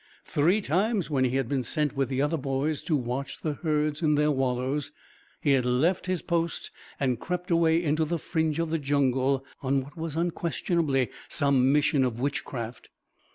Three times, when he had been sent with the other boys to watch the herds in their wallows, he had left his post and crept away into the fringe of jungle on what was unquestionably some mission of witchcraft.